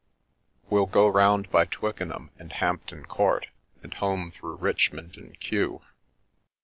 We'll go round by Twickenham and Hampton Court and home through Richmond and Kew."